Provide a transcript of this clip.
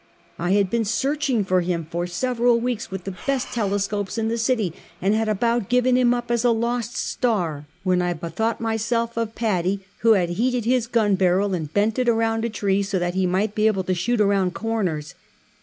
I had been searching for him for several weeks with the best tel escopes in the city, and had about given him up as a lost star, when I bethought me of Paddy, who had heated his gun barrel and bent it around a tree so that he might be able to shoot around corners.